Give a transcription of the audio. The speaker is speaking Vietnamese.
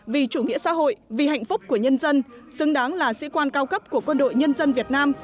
vì chủ nghĩa xã hội vì hạnh phúc của nhân dân xứng đáng là sĩ quan cao cấp của quân đội nhân dân việt nam